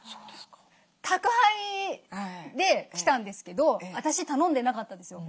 宅配で来たんですけど私頼んでなかったんですよ。